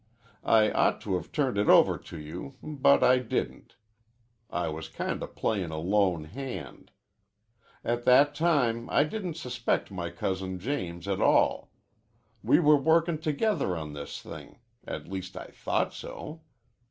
I ought to have turned it over to you, but I didn't. I was kinda playin' a lone hand. At that time I didn't suspect my cousin James at all. We were workin' together on this thing. At least I thought so.